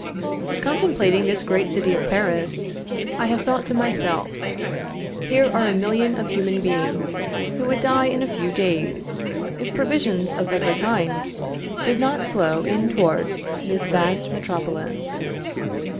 Contemplating this great city of Paris, I have thought to myself: Here are a million of human beings who would die in a few days, if provisions of every kind did not flow in towards this vast metropolis.